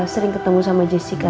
sering ketemu sama jessica